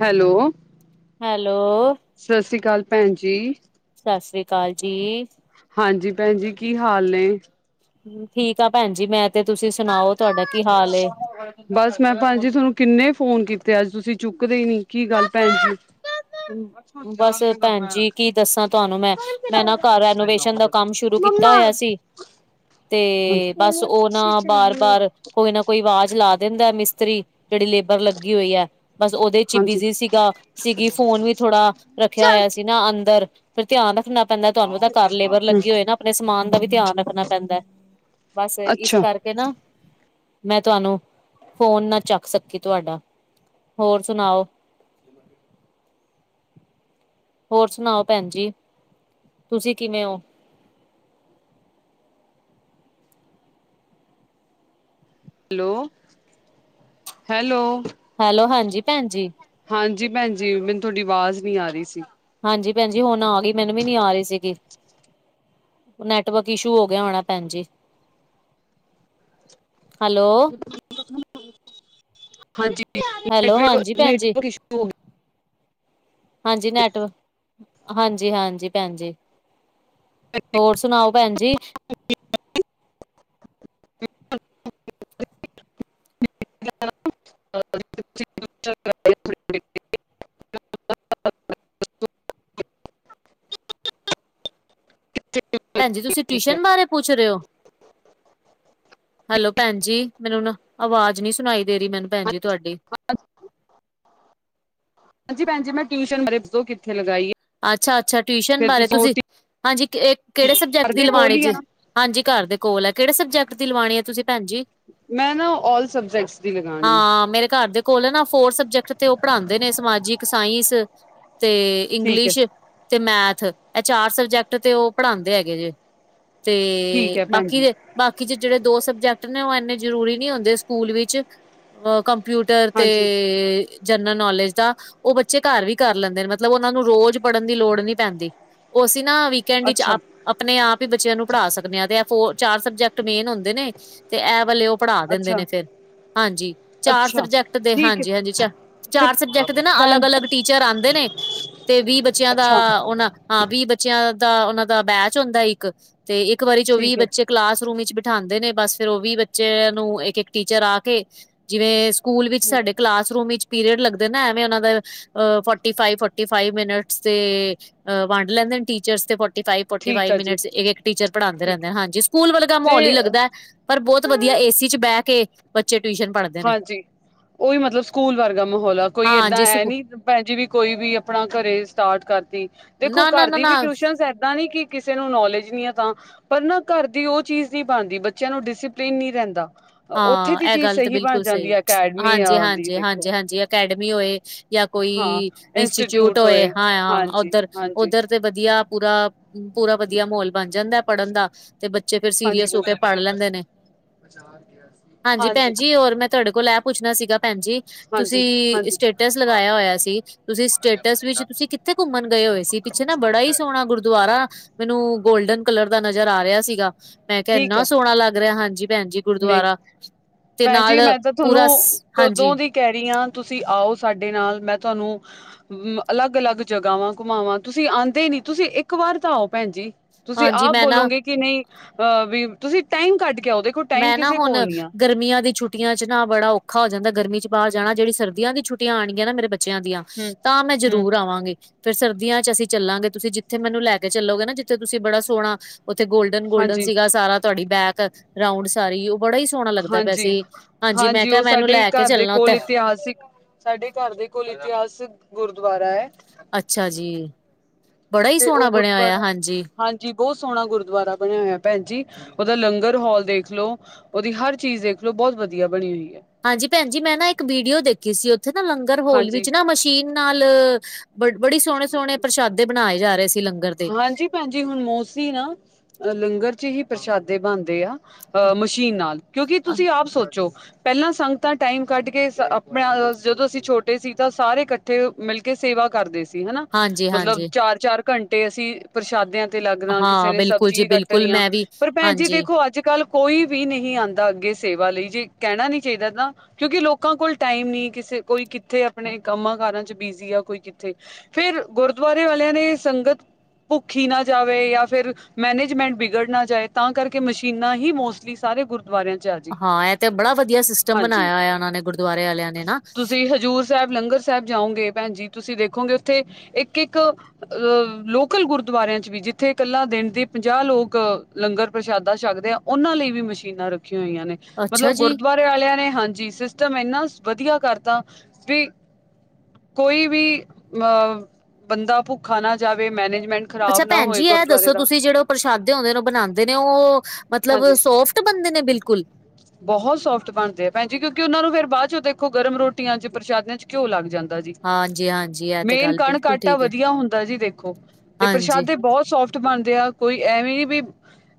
Hello hello ਸਤਿ ਸ੍ਰੀ ਅਕਾਲ ਭੈਣ ਜੀ। ਸਤਿ ਸ੍ਰੀ ਅਕਾਲ ਜੀ। ਹਾਂਜੀ ਭੈਣ ਜੀ, ਕੀ ਹਾਲ ਨੇ? ਠੀਕ ਆ ਭੈਣ ਜੀ ਮੈਂ ਤੇ ਤੁਸੀਂ ਸੁਣਾਓ ਤੁਹਾਡਾ ਕੀ ਹਾਲ ਏ ਬਸ ਮੈਂ ਭੈਣ ਜੀ ਤੁਹਾਨੂੰ ਕਿੰਨੇ ਫੋਨ ਕੀਤੇ ਅੱਜ ਤੁਸੀਂ ਚੁੱਕਦੇ ਨੀ, ਕੀ ਗੱਲ ਭੈਣ ਜੀ ਜਾਣ ਬਸ ਕੇ ਕਰਨਾ ਭੈਣ ਜੀ, ਕੀ ਦੱਸਾਂ ਤੁਹਾਨੂੰ ਮੈਂ, ਮੈਂ ਨਾ ਘਰ ਰਨੋਵੇਸ਼ਨ ਚਲਾਊਂਗਾ ਦਾ ਚੱਲ। ਕੰਮ ਸ਼ੁਰੂ ਕੀਤਾ ਮੰਮਾ ਹੋਇਆ ਸੀ, ਤੇ ਬਸ ਉਹ ਤੁਸੀਂ ਨਾ ਬਾਰ, ਚਲਾਓਗੇ। ਬਾਰ ਕੋਈ ਨਾ ਕੋਈ ਆਵਾਜ਼ ਲਾ ਦਿੰਦਾ ਮਿਸਤਰੀ, ਜਿਹੜੀ ਲੇਬਰ ਲੱਗੀ ਹੋਈ ਹੈ। ਬਸ ਉਹਦੇ ਚ ਹੀ ਹਾਂਜੀ। ਬਿਜੀ ਸੀਗਾ। ਸੀਗੀ, ਫੋਨ ਵੀ ਥੋੜਾ ਰੱਖਿਆ ਚੱਲ। ਹੋਇਆ ਸੀ ਨਾ ਅੰਦਰ ਫਿਰ ਧਿਆਨ ਰੱਖਣਾ ਪੈਂਦਾ ਤੁਹਾਨੂੰ ਤਾਂ ਘਰ ਲੇਬਰ ਲੱਗੀ ਹੋਏ ਨਾ, ਆਪਣੇ ਸਮਾਨ ਦਾ ਵੀ ਧਿਆਨ ਰੱਖਣਾ ਪੈਂਦਾ। ਬਸ ਇਸ ਅੱਛਾ, ਕਰ ਕੇ ਨਾਂ ਮੈਂ ਤੁਹਾਨੂੰ, ਫੋਨ ਨਾ ਚੱਕ ਸਕੀ ਤੁਹਾਡਾ ਹੋਰ ਸੁਣਾਓ? ਹੋਰ ਸੁਣਾਓ ਭੈਣ ਜੀ, ਤੁਸੀਂ ਕਿਵੇਂ ਓ? ਹੈਲੋ, ਹੈਲੋ ਹੈਲੋ, ਹਾਂਜੀ ਭੈਣ ਜੀ। ਹਾਂਜੀ ਭੈਣ ਜੀ, ਮੈਨੂੰ ਤੁਹਾਡੀ ਆਵਾਜ਼ ਨਹੀਂ ਆ ਰਹੀ ਸੀ। ਹਾਂਜੀ ਭੈਣਜੀ ਹੁਣ ਆ ਗਈ, ਮੈਨੂੰ ਵੀ ਨੀਂ ਆ ਰਹੀ ਸੀਗੀ। ਨੈਟਵਰਕ ਇਸ਼ੂ ਹੋ ਗਿਆ ਹੋਣਾ ਭੈਣ ਜੀ। [inaudible] ਹੈਲੋ। ਹਾਂਜੀ ਭੈਣ ਜੀ ਹੈਲੋ ਨੈਟਵਰਕ, ਹਾਂਜੀ ਭੈਣ ਜੀ ਨੈਟਵਰਕ ਇਸ਼ੂ ਹੋ ਗਿਆ। ਹਾਂਜੀ ਨੈਟਵਕ ਹਾਂਜੀ, ਹਾਂਜੀ। ਭੈਣ ਜੀ। ਹੋਰ ਸੁਣਾਓ ਭੈਣ ਜੀ। [inaudible] [inaudible] [unintelligible] [unintelligible] ਹੱ [unintelligible] ਭੈਣਜੀ ਤੁਸੀਂ ਟਿਊਸ਼ਨ ਬਾਰੇ ਪੁੱਛ ਰਹੇ ਹੋ ਹੈਲੋ ਭੈਣ ਜੀ, ਮੈਨੂੰ ਨਾ ਆਵਾਜ਼ ਨੀ ਸੁਣਾਈ ਦੇ ਰਹੀ ਮੈਨੂੰ ਭੈਣ ਜੀ ਤੁਹਾਡੀ ਪੰਜ ਹਾਂਜੀ ਭੈਣਜੀ ਮੈਂ ਟਿਊਸ਼ਨ, ਅਰੇ ਤੂ ਕਿੱਥੇ ਲਗਾਈਏ। ਅੱਛਾ ਅੱਛਾ ਟਿਊਸ਼ਨ ਬਾਰੇ ਤੁਸੀਂ, ਹਾਂਜੀ ਕਿਹੜੇ ਸਬਜੈਕਟ ਦੀ ਦੇ ਕੋਲ ਲਵਾਣੀ ਹੀ ਆ ਚ ਨਾ ਹਾਂਜੀ ਘਰ ਦੇ ਕੋਲ ਆ, ਕਿਹੜੇ ਸਬਜੈਕਟ ਦੀ ਲਵਾਣੀ ਹੈ ਤੁਸੀਂ ਭੈਣ ਜੀ ਮੈਂ ਨਾ ਆਲ ਸਬਜੈਕਟਸ ਦੀ ਲਗਾਣੀ। ਹਾਂ ਮੇਰੇ ਘਰ ਦੇ ਕੋਲ ਨਾ ਫੋਰ ਸਬਜੈਕਟ ਤੇ ਉਹ ਪੜ੍ਹਾਉਂਦੇ ਨੇ ਸਮਾਜਿਕ, ਸਾਇੰਸ ਤੇ ਠੀਕ ਹੈ ਇੰਗਲਿਸ਼ ਤੇ ਮੈਥ ਇਹ ਚਾਰ ਸਬਜੈਕਟ ਤੇ ਉਹ ਪੜ੍ਹਾਉਂਦੇ ਹੈਗੇ ਜੇ। ਠੀਕ ਤੇ ਹੈ ਭੈਣ ਬਾਕੀ ਜੀ ਦੇ ਬਾਕੀ ਚ ਜਿਹੜੇ ਦੋ ਸਬਜੈਕਟ ਨੇ ਉਹ ਇੰਨੇ ਜ਼ਰੂਰੀ ਨੀ ਹੁੰਦੇ ਸਕੂਲ ਵਿੱਚ ਅ ਕੰਪਿਊਟਰ ਤੇ ਹਾਂਜੀ ਜਨਰਲ ਨੌਲੇਜ ਦਾ ਉਹ ਬੱਚੇ ਘਰ ਵੀ ਕਰ ਲੈਂਦੇ ਨੇ ਮਤਲਬ ਉਹ ਉਹਨਾਂ ਨੂੰ ਰੋਜ਼ ਪੜ੍ਹਨ ਦੀ ਲੋੜ ਨੀ ਪੈਂਦੀ, ਉਹ ਅਸੀਂ ਨਾ ਵੀਕਐਡ ਵਿੱਚ ਅੱਛਾ ਆਪਣੇ ਆਪ ਹੀ ਬੱਚਿਆਂ ਨੂੰ ਪੜ੍ਹਾ ਸਕਦੇ ਆ, ਤੇ ਫ ਚਾਰ ਸਬਜੈਕਟ ਮੇਨ ਹੁੰਦੇ ਨੇ। ਤੇ ਇਹ ਵਾਲੇ ਉਹ ਪੜ੍ਹਾ ਦਿੰਦੇ ਅੱਛਾ ਨੇ ਫਿਰ, ਹਾਂਜੀ ਚਾਰ ਅੱਛਾ ਸਬਜੈਕਟ ਦੇ ਠੀਕ ਹੈ ਹਾਂਜੀ- ਹਾਂਜੀ ਚ ਤੇ ਚਾਰ ਸਬਜੈਕਟ ਦੇ ਨਾ ਭੈਣ ਅਲੱਗ -ਅਲੱਗ ਜੀ ਟੀਚਰ ਆਉਂਦੇ ਨੇ। ਤੇ ਵੀਹ ਬੱਚਿਆਂ ਦਾ ਅੱਛਾ ਉਹਨਾ, ਹਾਂ ਵੀਹ ਬੱਚਿਆਂ ਦਾ ਉਹਨਾਂ ਦਾ ਬੈਚ ਹੁੰਦਾ ਇੱਕ ਤੇ ਇੱਕ ਵਾਰੀ ਚ ਵੀਹ ਠੀਕ ਹੈ ਬੱਚੇ ਕਲਾਸਰੂਮ ਵਿੱਚ ਬਿਠਾਉਂਦੇ ਨੇ ਬਸ ਫਿਰ ਉਹ ਵੀ ਬੱਚੇ ਨੂੰ, ਇੱਕ -ਇੱਕ ਟੀਚਰ ਆ ਕੇ ਜਿਵੇਂ ਸਕੂਲ ਵਿਚ ਸਾਡੇ ਕਲਾਸ ਰੂਮ ਵਿੱਚ ਪੀਰੀਅਡ ਲੱਗਦੇ ਨਾ। ਐਵੇਂ ਉਹਨਾਂ ਦਾ ਫੋਟੀ ਫਾਈਵ ਫ। ਫੋਰਟੀ ਫਾਇਵ ਮਿੰਟਸ ਤੇ ਵੰਡ ਲੈਂਦੇ ਨੇ ਟੀਚਰ ਤੇ ਫੋਰਟੀ ਫਾਈਵ। ਫੋਰਟੀ ਠੀਕ ਫਾਈਵ ਆ ਜੀ ਮਿੰਟਸ ਇੱਕ- ਇੱਕ ਟੀਚਰ ਪੜਾਉਦੇ ਠੀਕ ਰਹਿੰਦੇ। ਹਾਂਜੀ ਸਕੂਲ ਵਰਗਾ ਤੇ ਮਾਹੋਲ ਹੀ ਲੱਗਦਾ ਹੈ। ਪਰ ਬਹੁਤ ਵਧੀਆ ਏ ਸੀ ਚ ਬਹਿ ਕੇ ਬੱਚੇ ਟਿਊਸ਼ਨ ਪੜ੍ਹਨ। ਹਾਂ ਜੀ ਉਹੀ ਮਤਲਬ ਸਕੂਲ ਵਰਗਾ ਮਾਹੌਲ ਆ। ਕੋਈ ਏਦਾਂ ਹਾਂਜੀ ਐ ਸੁਕੂ ਨੀ। ਭੈਣ ਜੀ ਵੀ ਕੋਈ ਵੀ ਆਪਣਾ ਘਰੇ ਸਟਾਰਟ ਕਰਤੀ ਦੇਖੋ ਨਾ ਨਾ ਘਰ ਨਾ ਦੀ ਵੀ ਨਾ ਟਿਊਸ਼ਨ ਏਦਾਂ ਨੀ ਕਿ। ਕਿਸੇ ਨੂੰ ਨੌਲੇਜ ਨਹੀਂ ਹੈ ਤਾਂ। ਪਰ ਨਾ ਘਰ ਦੀ ਉਹ ਚੀਜ਼ ਨਹੀਂ ਬਣਦੀ ਬੱਚਿਆਂ ਨੂੰ ਡਿਸਇਪਲਿੰਨ ਨਹੀਂ ਰਹਿੰਦਾ। ਉੱਥੇ ਹਾਂ ਦੀ ਇਹ ਚੀਜ਼। ਗੱਲ ਤੇ ਸਹੀ ਬਣ ਬਿਲਕੁਲ ਸਹੀ ਜਾਂਦੀ ਹੈ ਹਾਂ ਅਕੈਡਮੀ ਜੀ ਆ ਹਾਂ ਦੀ ਜੀ ਹਾਂ ਦੇਖੋ ਜੀ ਹਾਂ ਜੀ ਅਕੈਡਮੀ ਹੋਏ ਜਾਂ। ਕੋਈ ਹਾਂ ਇੰਸਟੀਚਿਊਟ ਇੰਸਟੀਟਿਊਟ ਹੋਏ ਹਾਂ ਹਾਂ ਹਾਂਜੀ ਉੱਧਰ ਹਾਂਜੀ ਉੱਧਰ। ਤੇ ਵਧੀਆ ਪੂਰਾ ਪੂਰਾ ਵਧੀਆ ਮਾਹੌਲ ਬਣ ਜਾਂਦਾ ਪੜ੍ਹਨ ਦਾ। ਤੇ ਬੱਚੇ ਫੇਰ ਸੀਰੀਅਸ ਹੋ ਕੇ ਪੜ੍ਹ ਲੈਂਦੇ ਨੇ। ਬਚਾ ਗਿਆ। ਹਾਂ ਜੀ ਭੈਣ ਜੀ ਔਰ ਮੈਂ ਤੁਹਾਡੇ ਕੋਲ ਇਹ ਪੁੱਛਣਾ ਸੀਗਾ ਭੈਣ ਜੀ। ਤੁਸੀਂ ਹਾਂਜੀ ਸਟੇਟਸ ਲਗਾਇਆ ਹੋਇਆ ਸੀ। ਤੁਸੀਂ ਸਟੇਟਸ ਵਿੱਚ ਤੁਸੀਂ ਕਿੱਥੇ ਘੁੰਮਣ ਗਏ ਹੋਏ ਸੀ? ਪਿੱਛੇ ਨਾ ਬੜਾ ਹੀ ਸੋਹਣਾ ਗੁਰਦੁਆਰਾ। ਮੈਨੂੰ ਗੋਲਡਨ ਕਲਰ ਦਾ ਨਜ਼ਰ ਆ ਰਿਹਾ ਸੀਗਾ। ਮੈਂ ਕਿਹਾ ਠੀਕ ਇੰਨਾ ਹੈ ਸੋਹਣਾ ਲੱਗ ਰਿਹਾ ਹਾਂ ਜੀ ਭੈਣ ਜੀ ਨਹੀਂ ਗੁਰਦੁਆਰਾ। ਤੇ ਭੈਣ ਨਾਲ ਜੀ ਮੈਂ ਤਾਂ ਪੂਰਾ ਤੁਹਾਨੂੰ ਹਾਂਜੀ ਕਦੋਂ ਦੀ। ਕਹਿ ਰਹੀ ਹਾਂ। ਤੁਸੀਂ ਆਓ ਸਾਡੇ ਨਾਲ ਮੈਂ ਤੁਹਾਨੂੰ। ਅਲੱਗ ਅਲੱਗ ਜਗ੍ਹਾਵਾਂ ਘੁਮਾਵਾਂ। ਤੁਸੀਂ ਆਉਂਦੇ ਨੀ। ਤੁਸੀਂ ਇੱਕ ਵਾਰ ਤਾਂ ਆਓ ਭੈਣ ਜੀ। ਤੁਸੀਂ ਹਾਂਜੀ ਆਪ ਮੈਂ ਨਾ ਬੋਲੋਗੇ ਕਿ ਨਹੀਂ ਅਹ ਵੀ। ਤੁਸੀਂ ਟਾਈਮ ਕੱਢ ਕੇ ਆਉ। ਮੈਂ ਨਾ ਹੁਣ ਗਰਮੀਆਂ ਦੀ ਛੁੱਟੀਆਂ। ਛੁਟੀਆਂ ਚ ਨਾ ਬੜਾ ਔਖਾ ਹੋ ਜਾਂਦਾ ਗਰਮੀ ਚ ਬਾਹਰ ਜਾਣਾ। ਜਿਹੜੀ ਸਰਦੀਆਂ ਦੀ ਛੁੱਟੀਆਂ ਆਣਗੀਆਂ ਨਾ ਮੇਰੇ ਬੱਚਿਆਂ ਦੀਆਂ। ਹੂੰ ਤਾਂ ਮੈਂ ਹੂੰ ਜ਼ਰੂਰ ਆਵਾਂਗੀ। ਫੇਰ ਸਰਦੀਆਂ ਚ ਅਸੀਂ ਚੱਲਾਂਗੇ। ਤੁਸੀਂ ਜਿੱਥੇ ਮੈਨੂੰ ਲੈ ਕੇ ਚੱਲੋਗੇ ਨਾ ਜਿੱਥੇ ਤੁਸੀਂ ਬੜਾ ਸੋਹਣਾ। ਉੱਥੇ ਗੋਲਡਨ- ਗੋਲਡਨ ਸੀਗਾ ਸਾਰਾ ਤੁਹਾਡੀ ਬੈਕ। ਰਾਊਂਡ ਸਾਰੀ ਉਹ ਬੜਾ ਹੀ ਸੋਹਣਾ ਲੱਗਦਾ ਹਾਂ ਪਿਆ ਜੀ ਸੀ ਹਾਂਜੀ ਹਾਂ ਮੈਂ ਜੀ ਕਿਹਾ ਉਹ ਮੈਨੂੰ ਸਾਡੇ ਲੈ ਕੇ ਘਰ ਦੇ ਚੱਲਣਾ ਕੋਲ ਉੱਥੇ ਇਤਿਹਾਸਿਕ। ਸਾਡੇ ਘਰ ਦੇ ਕੋਲ ਇਤਿਹਾਸ ਗੁਰਦੁਆਰਾ ਐ। ਅੱਛਾ ਜੀ। ਬੜਾ ਹੀ ਸੋਹਣਾ ਬਣਿਆ ਹੋਇਆ ਹਾਂ ਜੀ। ਹਾਂ ਜੀ ਬਹੁਤ ਸੋਹਣਾ ਗੁਰਦੁਆਰਾ ਬਣਿਆ ਹੋਇਆ ਭੈਣ ਜੀ। ਉਹਦਾ ਲੰਗਰ ਹਾਲ ਦੇਖ ਲਓ। ਉਹਦੀ ਹਰ ਚੀਜ਼ ਦੇਖ ਲੋ। ਬਹੁਤ ਵਧੀਆ ਬਣੀ ਹੋਈ ਐ। ਹਾਂ ਜੀ ਭੈਣ ਜੀ ਮੈਂ ਨਾ ਇੱਕ ਵੀਡੀਓ ਦੇਖੀ ਸੀ। ਉੱਥੇ ਨਾ ਲੰਗਰ ਹਾਲ ਹਾਂਜੀ ਵਿੱਚ ਨਾ ਮਸ਼ੀਨ ਨਾਲ। ਬੜੇ ਬੜੀ ਸੋਹਣੇ ਸੋਹਣੇ ਪ੍ਰਸ਼ਾਦੇ ਬਣਾਏ ਜਾ ਰਹੇ ਸੀ ਲੰਗਰ। ਦੇ ਹਾਂ ਜੀ। ਭੈਣ ਜੀ ਹੁਣ ਮੋਸਟਲੀ ਨਾ ਲੰਗਰ ਚ ਹੀ ਪ੍ਰਸ਼ਾਦੇ ਬਣਦੇ ਆ ਅ ਮਸ਼ੀਨ ਨਾਲ। ਕਿਉਂਕਿ ਅ, ਤੁਸੀਂ ਆਪ ਸੋਚੋ। ਪਹਿਲਾਂ ਸੰਗਤਾਂ ਟਾਈਮ ਕੱਢ ਕੇ ਆਪਣਾ। ਜਦੋਂ ਅਸੀਂ ਛੋਟੇ ਸੀ ਤਾਂ ਸਾਰੇ ਇਕੱਠੇ ਮਿਲ ਕੇ ਸੇਵਾ ਕਰਦੇ ਸੀ। ਹਨਾ ਹਾਂਜੀ ਮਤਲਬ ਹਾਂਜੀ ਚਾਰ -ਚਾਰ ਘੰਟੇ ਅਸੀਂ ਪ੍ਰਸ਼ਾਦਿਆਂ। ਤੇ ਲੱਗਣਾ ਕਿਸੇ ਹਾਂ ਨੇ ਬਿਲਕੁਲ ਜੀ ਸਬਜ਼ੀ ਬਿਲਕੁਲ ਕੱਟਣੀਆਂ ਮੈਂ ਵੀ ਪਰ ਭੈਣ ਜੀ ਹਾਂਜੀ ਦੇਖੋ ਅੱਜ। ਕੱਲ ਕੋਈ ਵੀ ਨਹੀਂ ਆਉਂਦਾ ਅੱਗੇ ਸੇਵਾ ਲਈ। ਜੇ ਕਹਿਣਾ ਨੀ ਚਾਹੀਦਾ ਤਾਂ। ਕਿਉਂਕਿ ਲੋਕਾਂ ਕੋਲ ਟਾਈਮ ਨਹੀਂ ਕਿਸੇ। ਕੋਈ ਕਿੱਥੇ ਆਪਣੇ ਕੰਮਾਂ ਕਾਰਾਂ 'ਚ ਬਿਜ਼ੀ ਆ। ਕੋਈ ਕਿੱਥੇ। ਫਿਰ ਗੁਰਦੁਆਰੇ ਵਾਲਿਆਂ ਨੇ ਸੰਗਤ। ਭੁੱਖੀ ਨਾ ਜਾਵੇ, ਜਾਂ ਫਿਰ ਮੈਨੇਜਮੈਂਟ ਬੀਗੜ ਨਾ ਜਾਵੇ ਤਾਂ ਕਰਕੇ ਮਸ਼ੀਨਾਂ ਹੀ ਮੋਸਟਲੀ ਸਾਰੇ ਗੁ [inaudible] ਹਾਂ ਇਹ ਤੇ ਬੜਾ ਵਧੀਆ ਸਿਸਟਮ ਬਣਾਇਆ ਹੋਇਆ ਉਹਨਾਂ ਨੇ ਗੁਰਦੁਆਰੇ ਵਾਲਿਆਂ ਨੇ ਨਾ। ਤੁਸੀਂ ਹਜੂਰ ਸਾਹਿਬ ਲੰਗਰ ਸਾਹਿਬ ਜਾਓਗੇ ਭੈਣ ਜੀ। ਤੁਸੀਂ ਦੇਖੋਗੇ ਉੱਥੇ ਇੱਕ -ਇੱਕ ਅਹ। ਲੋਕਲ ਗੁਰਦੁਆਰਿਆਂ 'ਚ ਵੀ ਜਿੱਥੇ ਇਕੱਲਾ ਦਿਨ ਦੇ ਪੰਜਾਹ ਲੋਕ ਲੰਗਰ ਪ੍ਰਸ਼ਾਦਾ ਛਕਦੇ ਆ। ਉਹਨਾਂ ਲਈ ਵੀ ਮਸ਼ੀਨਾਂ ਰੱਖੀਆਂ ਹੋਈਆਂ ਨੇ ਅੱਛਾ ਮਤਲਬ ਜੀ ਗੁਰਦੁਆਰੇ। ਵਾਲਿਆਂ ਨੇ ਹਾਂ ਜੀ ਸਿਸਟਮ ਇੰਨਾ ਵਧੀਆ ਕਰਤਾ ਵੀ। ਕੋਈ ਵੀ ਅ ਬੰਦਾ ਭੁੱਖਾ ਨਾ ਜਾਵੇ। ਮੈਨੇਜਮੈਂਟ। ਅੱਛਾ ਖਰਾਬ ਨਾ ਭੈਣ ਹੋਏ ਜੀ ਇਹ ਗੁਰਦੁਆਰੇ ਦੱਸੋ, ਦਾ ਤੁਸੀਂ ਜਿਹੜੋ ਪ੍ਰਸ਼ਾਦੇ ਬਣਾਦੇ ਨੇ ਉਹ ਬਣਾਦੇ ਨੇ ਉਹ ਮਤਲਬ ਹਾਂਜੀ ਸੋਫਟ ਬਣਦੇ ਨੇ ਬਿਲਕੁਲ ਬਹੁਤ ਸੋਫਟ ਬਣਦੇ ਆ, ਭੈਣਜੀ ਕਿਉਂਕਿ ਉਹਨਾ ਨੂੰ ਫੇਰ ਬਾਅਦ ਚੋਂ ਦੇਖੋ, ਗਰਮ ਰੋਟੀਆਂ 'ਚ ਪ੍ਰਸ਼ਾਦਿਆਂ 'ਚ ਘਿਓ ਲੱਗ ਜਾਂਦਾ ਜੀ। ਹਾਂਜੀ ਹਾਂਜੀ ਇਹ ਤੇ ਮੇਨ ਗੱਲ ਕਣਕ ਬਿਲਕੁਲ ਆਟਾ ਠੀਕ ਹੈ ਵਧੀਆ ਹੁੰਦਾ ਜੀ ਦੇਖੋ, ਤੇ ਹਾਂਜੀ ਪ੍ਰਸ਼ਾਦੇ ਬਹੁਤ ਸੋਫਟ ਬਣਦੇ ਆ ਕੋਈ ਐਵੇਂ ਨਾ ਵੀ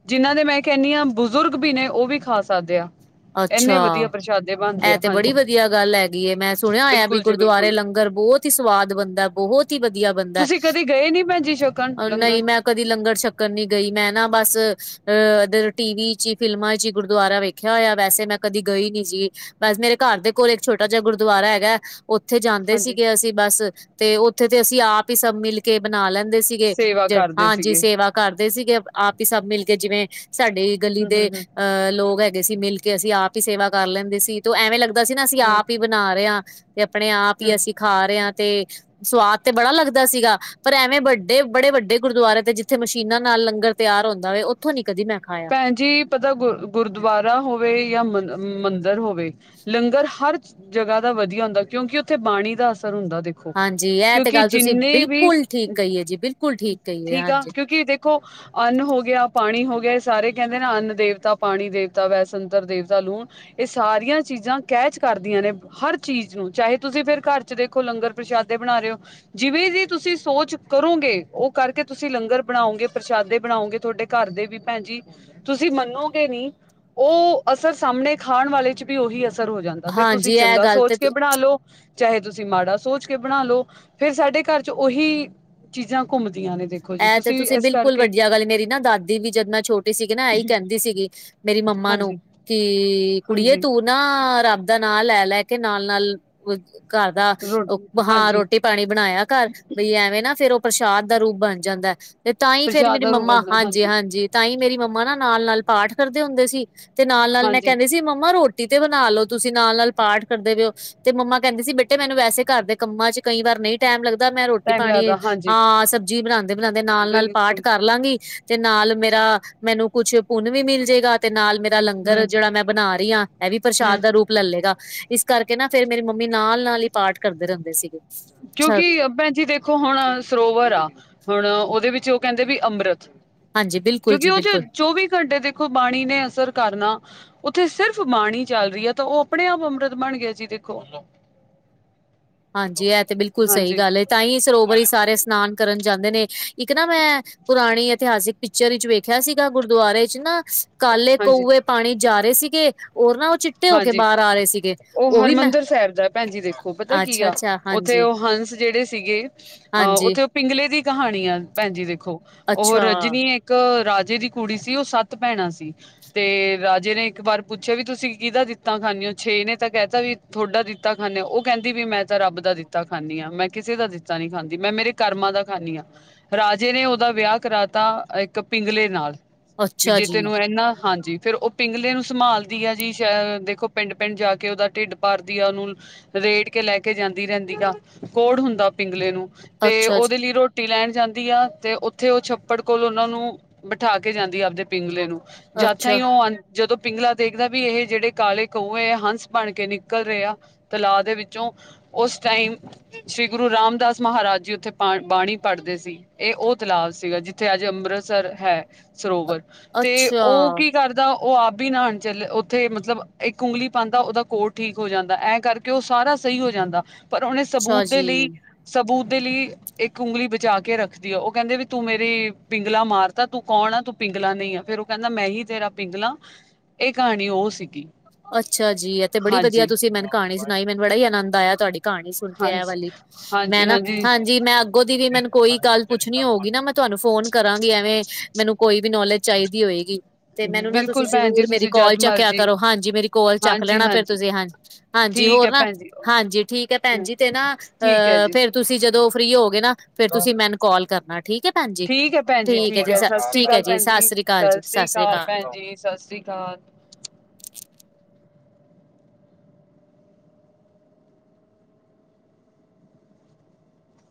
ਜਿੰਹਨਾਂ ਦੇ ਮੈਂ ਕਹਿੰਦੀ ਹਾਂ, ਬਜ਼ੁਰਗ ਵੀ ਨੇ ਉਹ ਵੀ ਖਾ ਸ ਸਾਧਿਆ ਅੱਛਾ, ਇਹ ਆ ਤੇ ਹਾਂਜੀ ਬੜੀ ਵਧੀਆ ਗੱਲ ਹੈਗੀ ਐ, ਮੈਂ ਸੁਣਿਆ ਹੋਇਆ ਵੀ ਬਿਲਕੁਲ ਜੀ ਗੁਰਦੁਆਰੇ ਬਿਲਕੁਲ ਲੰਗਰ ਬਹੁਤ ਹੀ ਸਵਾਦ ਬਣਦਾ ਬਹੁਤ ਹੀ ਵਧੀਆ ਬਣਦਾ ਤੁਸੀਂ ਕਦੇ ਗਏ ਨੀ ਭੈਣ ਜੀ ਛਕਣ ਲੰਗਰ ਨਹੀਂ ਮੈਂ ਕਦੀ ਲੰਗਰ ਛੱਕਣ ਨੀ ਗਈ, ਮੈਂ ਨਾ ਬਸ ਅ ਇਧਰ ਟੀਵੀ 'ਚ ਹੀ ਫਿਲਮਾਂ 'ਚ ਗੁਰਦੁਆਰਾ ਵੇਖਿ ਖਿਆ ਹੋਇਆ, ਵੈਸੇ ਮੈਂ ਕਦੀ ਗਈ ਨੀ ਸੀਗੀ ਬਸ ਮੇਰੇ ਘਰ ਦੇ ਕੋਲ ਇੱਕ ਛੋਟਾ ਜਿਹਾ ਗੁਰਦੁਆਰਾ ਹੈਗਾ। ਉੱਥੇ ਜਾਂਦੇ ਹਾਂਜੀ ਸੀਗੇ, ਅਸੀਂ ਬਸ ਤੇ ਉੱਥੇ ਤੇ ਅਸੀਂ ਆਪ ਹੀ ਸਭ ਮਿਲ ਕੇ ਬਣਾ ਲੈਂਦੇ ਸੀ। ਸੀਗੇ ਸੇਵਾ ਜ ਕਰਦੇ ਹਾਂਜੀ ਸੀਗੇ ਸੇਵਾ ਕਰਦੇ ਸੀਗੇ ਆਪ ਹੀ ਸਭ ਮਿਲ ਕੇ ਜਿਵੇਂ ਸਾਡੀ ਗਲੀ ਹੂੰ ਦੇ ਹੂੰ ਹੂੰ ਅਹ ਲੋਕ ਹੈ। ਸੀ ਮਿਲ ਕੇ ਅਸੀਂ ਆਪ ਹੀ ਸੇਵਾ ਕਰ ਲੈਂਦੇ ਸੀ, ਤੇ ਐਵੇਂ ਲੱਗਦਾ ਸੀ ਨਾ ਅਸੀਂ ਹੂੰ ਆਪ ਹੀ ਬਣਾ ਰਹੇ ਆਂ। ਤੇ ਆਪਣੇ ਆਪ ਹੀ ਹੂੰ ਅਸੀਂ ਖਾ ਰਹੇ ਹਾਂ, ਤੇ ਸਵਾਦ ਤੇ ਬੜਾ ਲੱਗਦਾ ਸੀਗਾ। ਪਰ ਐਵੇਂ ਵੱਡੇ ਬੜੇ ਵੱਡੇ ਗੁਰਦੁਆਰੇ ਤੇ ਜਿੱਥੇ ਮਸ਼ੀਨਾਂ ਨਾਲ ਲੰਗਰ ਤਿਆਰ ਹੁੰਦਾ ਹੋਵੇ, ਉੱਥੋਂ ਨੀ ਕਦੀ ਮੈਂ ਖਾਆ ਭੈਣਜੀ ਪਤਾ ਗ ਗੁਰਦੁਆਰਾ ਹੋਵੇ ਜਾਂ ਮੰਦਿਰ ਹੋਵੇ। ਲੰਗਰ ਹਰ ਜਗ੍ਹਾ ਦਾ ਵਧੀਆ ਹੁੰਦਾ, ਕਿਉਂਕਿ ਉੱਥੇ ਬਾਣੀ ਦਾ ਅਸਰ ਹੁੰਦਾ ਦੇਖੋ। ਹਾਂਜੀ ਇਹ ਤੇ ਕਿਉਂਕਿ ਗੱਲ ਤੁਸੀਂ ਜਿੰਨੇ ਵੀ ਬਿਲਕੁਲ ਠੀਕ ਕਹੀਏ ਜੀ ਬਿਲਕੁਲ ਠੀਕ ਕਹੀਏ ਠੀਕ ਆ ਹਾਂਜੀ। ਕਿਉਂਕਿ ਦੇਖ ਦੇਖੋ ਅੰਨ ਹੋ ਗਿਆ ਪਾਣੀ ਹੋ ਗਿਆ। ਸਾਰੇ ਕਹਿੰਦੇ ਨਾ ਅੰਨ ਦੇਵਤਾ ਪਾਣੀ ਦੇਵਤਾ ਵੈਸਤਰ ਦੇਵਤਾ ਲੂਣ ਇਹ ਸਾਰੀਆਂ ਚੀਜ਼ਾਂ ਕੈਚ ਕਰਦੀਆਂ ਨੇ। ਹਰ ਚੀਜ਼ ਨੂੰ ਚਾਹੇ ਤੁਸੀਂ ਫਿਰ ਘਰ 'ਚ ਦੇਖੋ, ਲੰਗਰ ਪ੍ਰਸ਼ਾਦੇ ਬਣਾ ਰਹੇ ਓ। ਜਿਵੇਂ ਦੀ ਤੁਸੀਂ ਸੋਚ ਕਰੋਗੇ, ਉਹ ਕਰਕੇ ਤੁਸੀਂ ਲੰਗਰ ਬਣਾਓਗੇ ਪ੍ਰਸ਼ਾਦੇ ਬਣਾਓਗੇ, ਤੁਹਾਡੇ ਘਰਦੇ ਵੀ ਭੈਣ ਜੀ। ਤੁਸੀਂ ਮੰਨੋਗੇ ਨਹੀਂ, ਉਹ ਅਸਰ ਸਾਹਮਣੇ ਖਾਣ ਵਾਲੇ ਚ ਵੀ ਉਹੀ ਅਸਰ ਹੋ ਜਾਂਦਾ। ਫੇਰ ਤੁਸੀਂ ਹਾਂਜੀ ਇਹ ਚੰਗਾ ਗੱਲ ਸੋਚ ਤੇ ਕੇ ਬਣਾ ਲੋੋ। ਚਾਹੇ ਤੁਸੀਂ ਮਾੜਾ ਸੋਚ ਕੇ ਬਣਾ ਲਓ, ਫੇਰ ਸਾਡੇ ਘਰ ਚ ਉਹੀ ਚੀਜ਼ਾਂ ਘੁੰਮਦੀਆਂ ਨੇ। ਦੇਖੋ ਜੀ ਇਹ ਤੇ ਤੁਸੀਂ ਇਸ ਬਿਲਕੁਲ ਕਰਕੇ ਵੱਡੀਆਂ ਗੱਲ ਮੇਰੀ ਨਾ ਦਾਦੀ ਵੀ ਜਦ ਮੈਂ ਛੋਟੀ ਸੀਗੀ, ਨਾ ਇਹੀ ਕਹਿੰਦੀ ਸੀਗੀ ਮੇਰੀ ਮੰਮਾ ਨੂੰ ਹਾਂਜੀ ਕਿ ਕੁੜੀਏ ਹਾਂਜੀ ਤੂੰ ਨਾ ਰੱਬ ਦਾ ਨਾਂ ਲੈ ਲੈ ਕੇ ਨਾਲ ਨਾਲ ਘਰ ਦਾ ਰੋ ਉਹ ਹਾਂ ਹਾਂਜੀ ਰੋਟੀ ਪਾਣੀ ਬਣਾਇਆ, ਘਰ ਬਈ ਐਵੇਂ ਨਾ ਫੇਰ ਉਹ ਪ੍ਰਸ਼ਾਦ ਦਾ ਰੂਪ ਬਣ ਜਾਂਦਾ ਤੇ ਤਾਂ ਹੀ ਫੇਰ ਪ੍ਰਸ਼ਾਦ ਮੇਰੀ ਦਾ ਰੂਪ ਮੰਮਾ ਬਣਦਾ ਹਾਂਜੀ ਹਾਂਜੀ-ਹਾਂਜੀ। ਤਾਂ ਹੀ ਮੇਰੀ ਮੰਮਾ ਨਾ ਨਾਲ-ਨਾਲ ਪਾਠ ਕਰਦੇ ਹੁੰਦੇ ਸੀ, ਤੇ ਨਾਲ-ਨਾਲ ਮੈਂ ਹਾਂਜੀ ਕਹਿੰਦੇ ਸੀ ਮੰਮਾ ਰੋਟੀ ਟੀ ਤੇ ਬਣਾ ਲੋ, ਤੁਸੀਂ ਨਾਲ ਨਾਲ ਪਾਠ ਕਰਦੇ ਪਏ ਔ। ਤੇ ਮੰਮਾ ਕਹਿੰਦੇ ਸੀ, ਬੇਟੇ ਮੈਨੂੰ ਵੈਸੇ ਘਰ ਦੇ ਕੰਮਾਂ ਚ ਕਈ ਵਾਰ ਨਹੀਂ। ਟੈਮ ਲੱਗਦਾ ਮੈਂ ਰੋਟੀ ਟਾਈਮ ਪਾਣੀ ਲੱਗਦਾ ਹਾਂਜੀ ਹਾਂ ਸਬਜ਼ੀ ਬਣਾਉਂਦੇ-ਬਣਾਉਂਦੇ ਨਾਲ ਨਾਲ ਪਾਠ ਬਿਲਕੁਲ ਕਰ ਲਾਂਗੀ ਤੇ ਨਾਲ ਮੇਰਾ ਮੈਨੂੰ ਕੁਛ ਪੁੰਨ ਵੀ ਮਿਲ ਜਾਏਗਾ। ਤੇ ਨਾਲ ਮੇਰਾ ਲੰਗਰ, ਹੂੰ ਜਿਹੜਾ ਮੈਂ ਬਣਾ ਰਹੀ, ਆਂ ਐਹ ਵੀ ਪ੍ਰਸ਼ਾਦ ਹੂੰ ਦਾ ਰੂਪ ਲੈਲੇਗਾ। ਇਸ ਕਰਕੇ ਨਾ ਫੇਰ ਮੇਰੀ ਮੰਮੀ ਨਾਲ ਨਾਲ ਹੀ ਪਾਠ ਕਰਦੇ ਰੈਂਦੇ ਸੀਗੇ। ਅੱਛਾ ਕਿਉਂਕਿ-ਅ ਭੈਣ ਜੀ ਦੇ ਖੋ ਹੁਣ ਸਰੋਵਰ ਆ, ਹੁਣ ਉਹਦੇ ਵਿੱਚ ਉਹ ਕਹਿੰਦੇ ਵੀ ਅੰਮ੍ਰਤ। ਹਾਂਜੀ ਬਿਲਕੁਲ ਕਿਉਂਕਿ ਜੀ ਉਹ ਚੇ ਬਿਲਕੁਲ ਚੌਵੀ ਘੰਟੇ ਦੇਖੋ, ਬਾਣੀ ਨੇ ਅਸਰ ਕਰਨਾ ਉੱਥੇ ਸਿਰਫ਼ ਬਾਣੀ ਚੱਲ ਰਹੀ ਹੈ, ਤਾਂ ਉਹ ਆਪਣੇ ਆਪ ਅੰਮ੍ਰਿਤ ਬਣ ਗਿਆ ਜੀ ਦੇਖੋ। ਹਾਂਜੀ, ਇਹ ਤੇ ਬਿਲਕੁਲ ਸਹੀ ਹਾਂਜੀ ਗੱਲ ਤਾਂ ਹੀ ਸਰੋਵਰ ਹੀ ਸਾਰੇ ਇਸ਼ਨਾਨ ਕਰਨ ਜਾਂਦੇ ਨੇ ਇੱਕ ਨਾ ਮੈਂ ਪੁਰਾਣੀ ਇਤਿਹਾਸਿਕ ਪਿਕਚਰ ਵਿੱਚ ਵੇਖਿਆ ਸੀਗਾ, ਗੁਰਦੁਆਰੇ ਚ ਨਾ ਕਾਲੇ ਹਾਂਜੀ ਕੌਏ ਪਾਣੀ ਜਾ ਰਹੇ ਸੀਗੇ, ਔਰ ਨਾ ਉਹ ਚਿੱਟੇ ਹੋ ਕੇ ਹਾਂਜੀ ਬਾਹਰ ਆ ਰਹੇ ਸੀਗੇ ਉਹ ਵੀ ਮੈਂ ਸਾਹਿਬ ਦਾ ਭੈਣਜੀ ਦੇਖੋ ਪਤਾ ਕੀ ਆ, ਅੱਛਾ-ਅੱਛਾ ਹਾਂਜੀ ਉੱਥੇ ਉਹ ਹੰਸ ਜਿਹੜੇ ਸੀਗੇ ਅਹ ਹਾਂਜੀ, ਉੱਥੇ ਪਿੰਗਲੇ ਦੀ ਕਹਾਣੀ ਆ ਭੈਣਜੀ ਦੇਖੋ, ਉਹ ਅੱਛਾ, ਰਜਨੀ ਇੱਕ ਰਾਜੇ ਦੀ ਕੁੜੀ ਸੀ, ਉਹ ਸੱਤ ਭੈਣਾਂ ਸੀ, ਤੇ ਰਾਜੇ ਨੇ ਇੱਕ ਵਾਰ ਪੁੱਛਿਆ ਵੀ ਤੁਸੀਂ ਕਿਹਦਾ ਦਿੱਤਾ ਖਾਂਦੇ ਹੋ ਛੇ ਨੇ ਤਾਂ ਕਹਿਤਾ ਵੀ ਥੋਡਾ ਦਿੱਤਾ, ਖਾਂਦੇ ਉਹ ਕਹਿੰਦੀ ਵੀ ਮੈਂ ਤਾਂ ਰੱਬ ਦਾ ਦਿੱਤਾ ਤਾ ਖਾਂਦੀ ਹਾਂ ਮੈਂ ਕਿਸੇ ਦਾ ਦਿੱਤਾ ਨੀ ਖਾਂਦੀ, ਮੈਂ ਮੇਰੇ ਕਰਮਾਂ ਦਾ ਖਾਂਨੀ ਹਾਂ। ਰਾਜੇ ਨੇ ਉਹਦਾ ਵਿਆਹ ਕਰਾਤਾ ਇੱਕ ਪਿੰਗਲੇ ਨਾਲ ਵੀ ਅੱਛਾ ਜੇ ਜੀ, ਤੈਨੂੰ ਇਹਨਾ, ਹਾਂਜੀ। ਫੇਰ ਉਹ ਪਿੰਗਲੇ ਨੂੰ ਸੰਮਾਲਦੀ ਆ ਜੀ। ਚ-ਅ ਦੇਖੋ ਪਿੰਡ ਪਿੰਡ ਜਾ ਕੇ ਉਹਦਾ ਢਿੱਡ ਭਾਰਦੀ ਆ, ਉਹਨੂੰ ਰੇੜ ਕੇ ਲੈ ਕੇ ਜਾਂਦੀ ਰੈਂਦੀ ਆ, ਕੋਹੜ ਹੁੰਦਾ ਪਿੰਗਲੇ ਨੂੰ। ਤੇ ਅੱਛਾ ਜੀ, ਉਹਦੇ ਲਈ ਰੋਟ ਟੀ ਲੈਣ ਜਾਂਦੀ ਆ, ਤੇ ਉੱਥੇ ਉਹ ਛੱਪੜ ਕੋਲ ਉਹਨਾ ਨੂੰ ਬਿਠਾ ਕੇ ਜਾਂਦੀ ਆ ਆਪਦੇ ਪਿੰਗਲੇ ਨੂੰ। ਜਦ ਅੱਛਾ। ਥਾਂਈ ਉਹ ਆਂਦ, ਜਦੋਂ ਪਿੰਗਲਾ ਦੇਖਦਾ ਵੀ ਏਹੇ ਜਿਹੜੇ ਕਾਲੇ ਕਊਏ ਆ, ਹੰਸ ਬਣ ਕੇ ਨਿਕਲ ਰਹੇ ਆ, ਤਲਾਅ ਦੇ ਵਿੱਚੋਂ। ਉਸ ਟਾਈਮ ਸ਼੍ਰੀ ਗੁਰੂ ਰਾਮਦਾਸ ਮਹਾਰਾਜ ਜੀ ਉੱਥੇ ਪਾ-ਬਾਣੀ ਪੜ੍ਹਦੇ ਸੀ। ਇਹ ਉਹ ਤਲਾਬ ਸੀਗਾ, ਜਿੱਥੇ ਅੱਜ ਅੰਮ੍ਰਿਤਸਰ ਹੈ, ਅ- ਸਰੋਵਰ। ਤੇ ਅੱਛਾ, ਉਹ ਕੀ ਕਰਦਾ, ਉਹ ਆਪ ਹੀ ਬੀ ਨਾਣ ਚੱਲ, ਓ ਥੇ ਮਤਲਬ ਇੱਕ ਉਂਗਲੀ ਪਾਂਦਾ, ਉਹਦਾ ਕੋਹੜ ਠੀਕ ਹੋ ਜਾਂਦਾ। ਐਂ ਕਰਕੇ ਉਹ ਸਾਰਾ ਸਹੀ ਹੋ ਜਾਂਦਾ। ਪਰ ਉਹਨੇ ਅੱਛਾ ਸਬੂਤ ਦੇ ਜੀ। ਲਈ, ਸਬੂਤ ਦੇ ਲਈ ਇੱਕ ਉਂਗਲੀ ਬਚਾ ਕੇ ਰੱਖਦੀ ਆ। ਉਹ ਕੈਂਦੇ ਵੀ ਤੂ ਮੇਰੀ ਪਿੰਗਲਾ ਮਾਰਤਾ, ਤੂ ਕੌਣ ਆ ਤੂ ਪਿੰਗਲਾ ਨਈ ਆਂ, ਫੇਰ ਉਹ ਕੈਂਦਾ ਮੈਂ ਹੀ ਤੇਰਾ ਪਿੰਗਲਾਂ, ਇਹ ਕਹਾਣੀ ਉਹ ਸੀਗੀ। ਅੱਛਾ ਜੀ, ਏਹ ਤੇ ਬੜੀ ਵਧੀਆ ਹਾਂਜੀ ਤੁਸੀਂ ਮੈਨੂੰ ਕਹਾਣੀ ਸੁਣਾਈ। ਮੈਨੂੰ ਬੜਾ ਈ ਆਨੰਦ ਆਇਆ ਤੁਆਡੀ ਕਹਾਣੀ ਸੁਣ ਕੇ ਐਹ ਹਾਂਜੀ ਵਾਲੀ। ਮੈਂ ਨਾ ਹਾਂਜੀ ਮੈਂ ਅੱਗੋਂ ਦੀ ਵੀ ਮੈਨੂੰ ਕੋਈ ਗੱਲ ਪੁੱਛਣੀ ਹੋਊਗੀ ਨਾ ਮੈਂ ਤੁਆਨੂੰ ਫੋਨ ਕਰਾਂਗੀ, ਐਵੇਂ ਮੈਨੂੰ ਕੋਈ ਵੀ ਨੌਲੇਜ ਚਾਈਦੀ ਹੋਏਗੀ। ਤੇ ਮੈਨੂੰ ਨਾ ਤੁਸੀਂ ਬਿਲਕੁਲ ਭੈਣ ਜੀ ਜ਼ਰੂਰ, ਮੇਰੀ ਤੁਸੀਂ ਕੋਲ ਜਦ ਚੱਕਿਆ ਮਰਜੀ ਕਰੋ। ਹਾਂਜੀ, ਮੇਰੀ ਕੋਲ ਚੱਕ ਲੈਣਾ ਫਿਰ ਤੁਸੀਂ ਹਾਂਜੀ। ਹਾਂਜੀ ਠੀਕ ਹੋਰ ਹੈ ਨਾ। ਭੈਣ ਜੀ ਹਾਂਜੀ ਠੀਕ ਐ ਭੈਣ ਜੀ, ਤੇ ਨਾ ਠੀਕ ਹੈ ਅਹ ਜੀ ਫੇਰ ਤੁਸੀਂ ਜਦੋਂ ਫ੍ਰਰੀ ਹੋਓਗੇ ਨਾ ਫੇਰ ਤੁਸੀਂ ਮੈਨ ਕਾਲ ਕਰਨਾ, ਠੀਕ ਐ ਭੈਣਜੀ। ਠੀਕ ਹੈ ਭੈਣ ਜੀ ਠੀਕ ਐ ਹੈ ਸਤਿ ਸ੍ਰੀ ਜ-ਸ-ਠੀਕ ਐ ਅਕਾਲ ਜੀ ਭੈਣ ਸਤਿ ਸ੍ਰੀ ਅਕਾਲ ਜੀ ਸਤਿ ਸ੍ਰੀ ਕਾਲ ਅਕਾਲ ਭੈਣ ਜੀ ਸਤਿ ਸ੍ਰੀ ਕਾਲ।